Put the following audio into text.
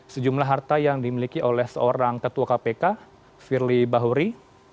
sejumlah harta yang dimiliki oleh seorang ketua kpk firly bahuri